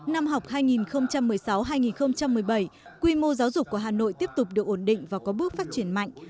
năm học hai nghìn một mươi sáu hai nghìn một mươi bảy quy mô giáo dục của hà nội tiếp tục được ổn định và có bước phát triển mạnh